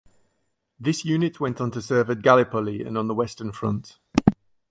This unit went on to serve at Gallipoli and on the Western Front.